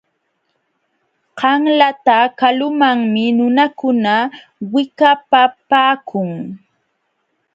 Qanlata kalumanmi nunakuna wikapapaakun.